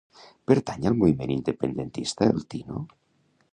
Pertany al moviment independentista el Tino?